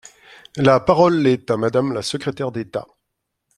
La parole est à Madame la secrétaire d’État.